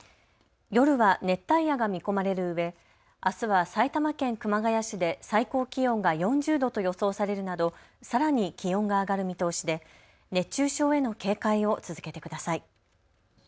夜は熱帯夜が見込まれるうえあすは埼玉県熊谷市で最高気温が４０度と予想されるなどさらに気温が上がる見通しで熱中症への警戒を続けてください。